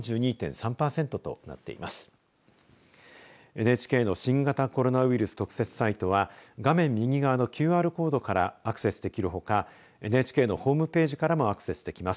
ＮＨＫの新型コロナウイルス特設サイトは画面右側のＱＲコードからアクセスできるほかＮＨＫのホームページからもアクセスできます。